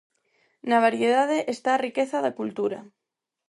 Na variedade está a riqueza da cultura.